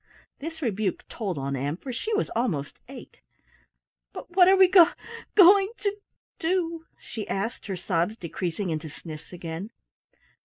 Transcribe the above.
This rebuke told on Ann, for she was almost eight. "But what are we go going to do?" she asked, her sobs decreasing into sniffs again.